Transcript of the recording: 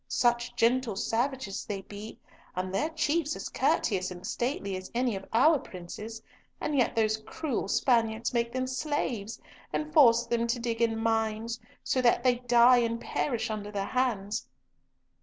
Such gentle savages they be, and their chiefs as courteous and stately as any of our princes, and yet those cruel Spaniards make them slaves and force them to dig in mines, so that they die and perish under their hands."